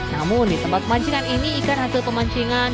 namun di tempat pemancingan ini ikan hasil pemancingan